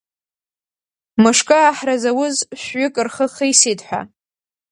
Мышкы аҳра зауаз шәҩык рхы хисеит ҳәа.